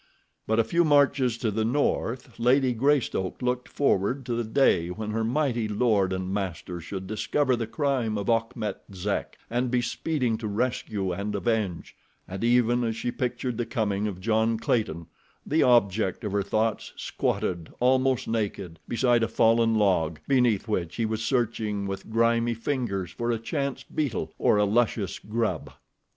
But a few marches to the north Lady Greystoke looked forward to the day when her mighty lord and master should discover the crime of Achmet Zek, and be speeding to rescue and avenge, and even as she pictured the coming of John Clayton, the object of her thoughts squatted almost naked, beside a fallen log, beneath which he was searching with grimy fingers for a chance beetle or a luscious grub.